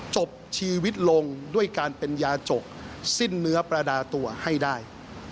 จบชีวิตลงด้วยการเป็นยาจกสิ้นเนื้อประดาตัวให้ได้